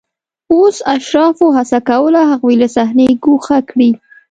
اوس اشرافو هڅه کوله هغوی له صحنې ګوښه کړي